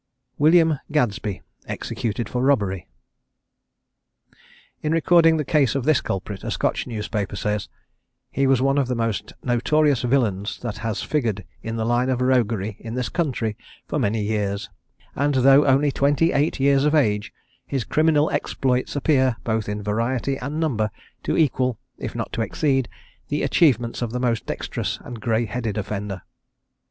WILLIAM GADESBY, EXECUTED FOR ROBBERY. In recording the case of this culprit, a Scotch newspaper says, "He was one of the most notorious villains that has figured in the line of roguery in this country for many years; and though only twenty eight years of age, his criminal exploits appear, both in variety and number, to equal, if not to exceed, the achievements of the most dextrous and grey headed offender."